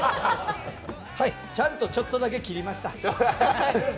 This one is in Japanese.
ちゃんとちょっとだけ切りました。